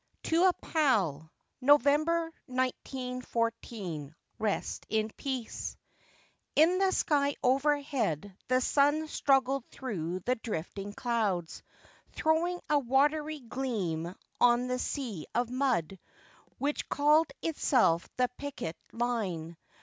TO A PAL. NOVEMBER, I914. R.I. P. In the sky overhead the sun struggled through the drifting clouds, throwing a watery gleam on the sea of mud which called itself the picket line.